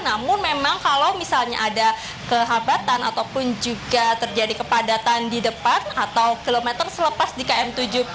namun memang kalau misalnya ada kehabatan ataupun juga terjadi kepadatan di depan atau kilometer selepas di km tujuh puluh